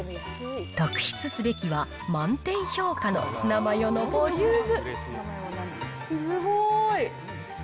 特筆すべきは、満点評価のツナマヨのボリューム。